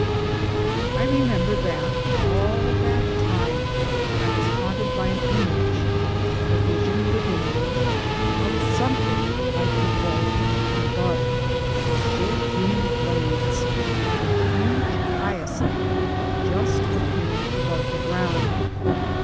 I remember that, all that time, I was haunted by an image, a vision within me, of something like the bulb and bud, with short green blades, of a huge hyacinth just appearing above the ground.